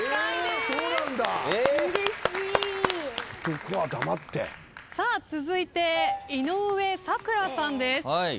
「男は黙って」さあ続いて井上咲楽さんです。